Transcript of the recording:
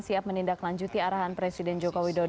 siap menindaklanjuti arahan presiden jokowi